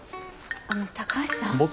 あの高橋さん？